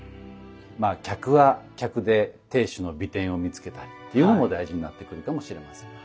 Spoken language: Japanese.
まあ客は客で亭主の美点を見つけたりっていうのも大事になってくるかもしれません。